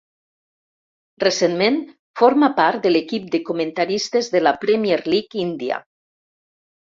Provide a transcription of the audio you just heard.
Recentment, forma part de l'equip de comentaristes de la Premier League índia.